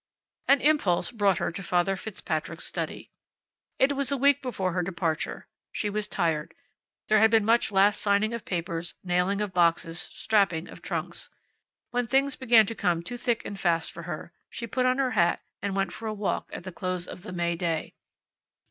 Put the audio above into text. An impulse brought her into Father Fitzpatrick's study. It was a week before her departure. She was tired. There had been much last signing of papers, nailing of boxes, strapping of trunks. When things began to come too thick and fast for her she put on her hat and went for a walk at the close of the May day.